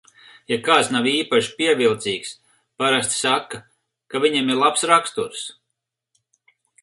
Ja kāds nav īpaši pievilcīgs, parasti saka, ka viņam ir labs raksturs.